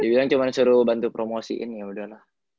dia bilang cuman suruh bantu promosiin yaudah lah